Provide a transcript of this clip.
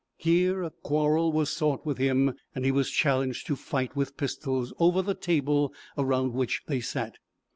Here a quarrel was sought with him, and he was challenged to fight with pistols, over the table around which they sat.